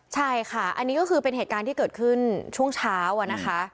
ใช่ค่ะอันนี้ก็คือเป็นเหตุการณ์ที่เกิดขึ้นช่วงเช้าอะนะคะ